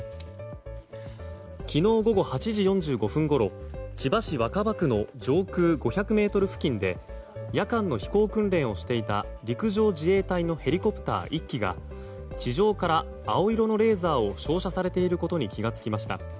昨日午後８時４５分ごろ千葉市若葉区の上空５００ｍ付近で夜間の飛行訓練をしていた陸上自衛隊のヘリコプター１機が地上から青色のレーザーを照射されていることに気が付きました。